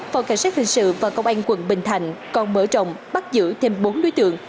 phòng cảnh sát hình sự và công an quận bình thạnh còn mở rộng bắt giữ thêm bốn đối tượng